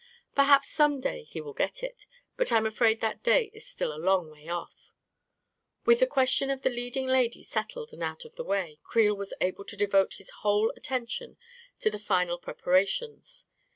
Perhaps some day he will get it. But I'm afraid that day is still a long way off! With the question of the leading lady settled and out of the way, Creel was able to devote his whole * attention to the final preparations.